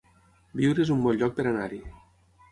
Biure es un bon lloc per anar-hi